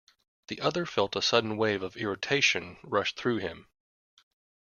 The other felt a sudden wave of irritation rush through him.